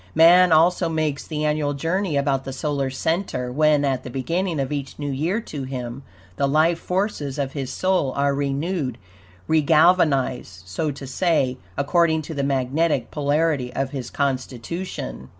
Man also makes the annual journey about the solar center, when, at the beginning of each new year to him, the life forces of his soul are renewed, regalvanized, so to say, according to the magnetic polarity of his constitution.